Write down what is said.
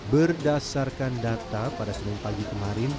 berdasarkan data pada senin pagi kemarin